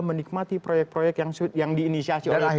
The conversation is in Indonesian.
menikmati proyek proyek yang diinisiasi oleh pak najarudin